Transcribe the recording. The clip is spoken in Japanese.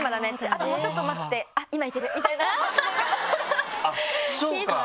「あともうちょっと待って今行ける」みたいな。